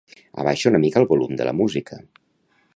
Abaixa una mica el volum de la música.